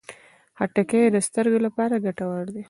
خټکی د سترګو لپاره ګټور دی.